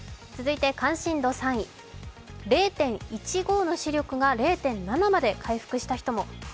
続いて関心度３位、０．１５の視力が０．７まで回復した人も。